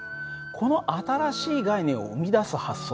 この新しい概念を生み出す発想。